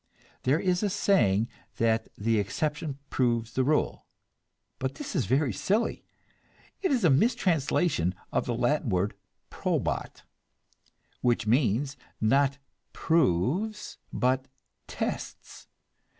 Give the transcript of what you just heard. There is a saying that "the exception proves the rule," but this is very silly; it is a mistranslation of the Latin word "probat," which means, not proves, but tests.